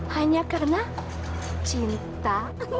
hanya karena cinta